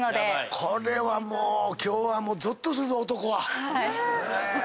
これはもう今日はぞっとするぞ男は。